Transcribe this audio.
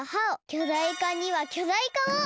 きょだいかにはきょだいかを！